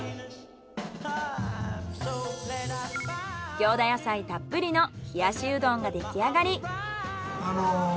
行田野菜たっぷりの冷やしうどんができあがり。